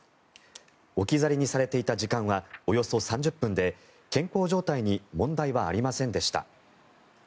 置き去りにされていた時間はおよそ３０分で健康状態に問題はありませんでした。